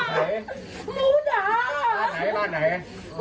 บ้านไหนบ้านไหน